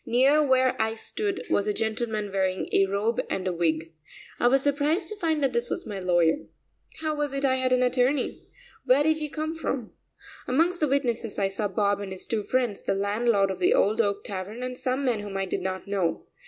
Near where I stood was a gentleman wearing a robe and wig. I was surprised to find that this was my lawyer. How was it I had an attorney? Where did he come from? Amongst the witnesses, I saw Bob and his two friends, the landlord of the Old Oak Tavern, and some men whom I did not know.